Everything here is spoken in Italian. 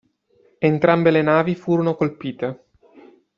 Entrambe le navi furono colpite.